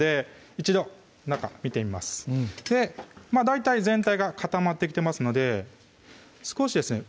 大体全体が固まってきてますので少しですね